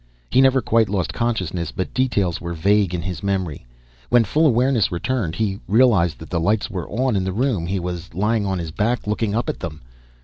He never quite lost consciousness, but details were vague in his memory. When full awareness returned he realized that the lights were on in the room. He was lying on his back, looking up at them.